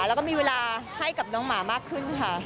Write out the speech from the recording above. แล้วก็มีเวลาให้กับน้องหมามากขึ้นค่ะ